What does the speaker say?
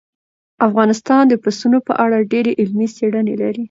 افغانستان د پسونو په اړه ډېرې علمي څېړنې لري.